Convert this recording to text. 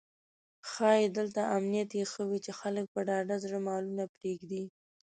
ښایي دلته امنیت یې ښه وي چې خلک په ډاډه زړه مالونه پرېږدي.